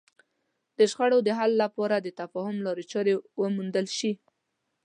د شخړو د حل لپاره د تفاهم لارې چارې وموندل شي.